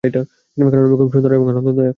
কারণ আমি খুব সুন্দর এবং আনন্দদায়ক।